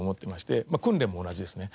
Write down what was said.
訓練も同じですね。